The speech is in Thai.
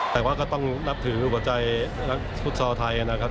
แต่ว่าก็ต้องนับถือหัวใจนักฟุตซอลไทยนะครับ